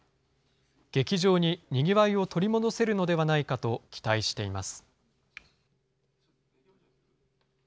劇場ににぎわいを取り戻せるのではないかと期待しています。